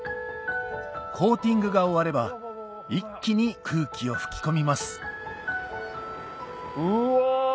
コーティングが終われば一気に空気を吹き込みますうわ！